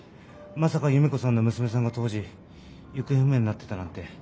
まさか夢子さんの娘さんが当時行方不明になってたなんて。